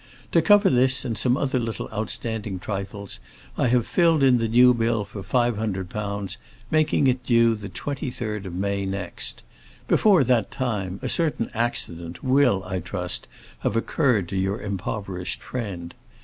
To cover this and some other little outstanding trifles, I have filled in the new bill for £500, making it due 23rd of May next. Before that time, a certain accident will, I trust, have occurred to your impoverished friend.